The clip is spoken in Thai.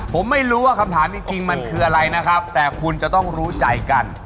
ผมไม่รู้ว่าคำถามจริงมันคืออะไรนะครับแต่คุณจะต้องรู้ใจกัน